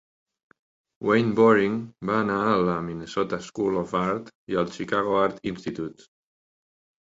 Wayne Boring va anar a la Minnesota School of Art i al Chicago Art Institute.